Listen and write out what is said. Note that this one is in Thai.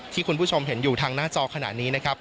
คุณผู้ชมเห็นอยู่ทางหน้าจอขณะนี้นะครับ